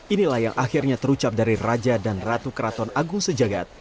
inilah yang akhirnya terucap dari raja dan ratu keraton agung sejagat